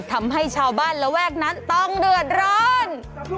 ทำให้ชาวบ้านระแวกนั้นต้องเดือดร้อน